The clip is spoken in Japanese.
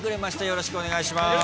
よろしくお願いします。